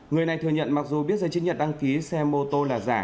người này thừa nhận mặc dù biết giấy chứng nhận đăng ký xe mô tô là giả